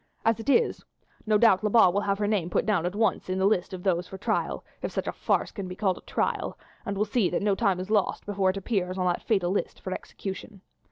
As it is, no doubt Lebat will have her name put down at once in the list of those for trial, if such a farce can be called a trial, and will see that no time is lost before it appears on that fatal list for execution.